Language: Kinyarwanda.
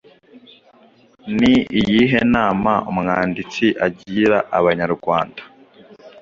Ni iyihe nama umwanditsi agira Abanyarwanda